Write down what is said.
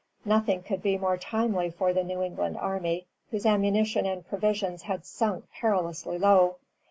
Nothing could be more timely for the New England army, whose ammunition and provisions had sunk perilously low.